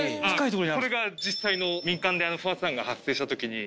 これが実際の民間で不発弾が発生した時に。